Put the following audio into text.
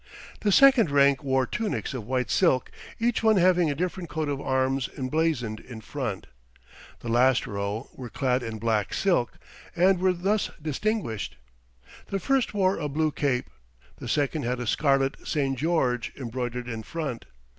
The second rank wore tunics of white silk, each one having a different coat of arms emblazoned in front. The last row were clad in black silk, and were thus distinguished. The first wore a blue cape. The second had a scarlet St. George embroidered in front.